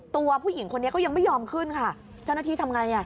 ตัวผู้หญิงคนนี้ก็ยังไม่ยอมขึ้นค่ะเจ้าหน้าที่ทำไงอ่ะ